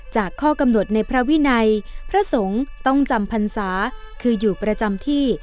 ข้อกำหนดในพระวินัยพระสงฆ์ต้องจำพรรษาคืออยู่ประจำที่